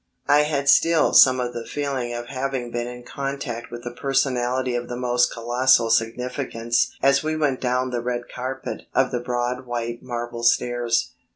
I had still some of the feeling of having been in contact with a personality of the most colossal significance as we went down the red carpet of the broad white marble stairs.